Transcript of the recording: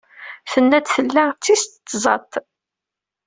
Tenna-d tella d tis tẓat.